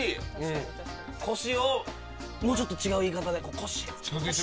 コシをもうちょっと違う言い方でコシ。